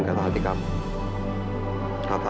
selamat tidur papi